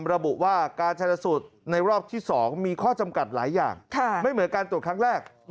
ระบุว่าการชนสูตรในรอบที่๒มีข้อจำกัดหลายอย่างไม่เหมือนการตรวจครั้งแรก